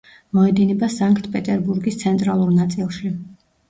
მოედინება სანქტ-პეტერბურგის ცენტრალურ ნაწილში.